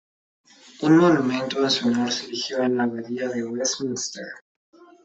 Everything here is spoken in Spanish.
Un monumento en su honor se erigió en la Abadía de Westminster.